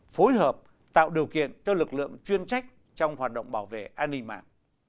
phối hợp tạo điều kiện cho lực lượng chuyên trách trong hoạt động bảo vệ an ninh mạng